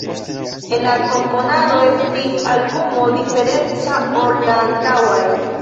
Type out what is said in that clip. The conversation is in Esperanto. En la komponado estis albumo diferenca ol la antaŭaj.